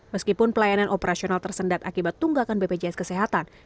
meskipun pelayanan operasional tersendat akibat tunggakan bpjs kesehatan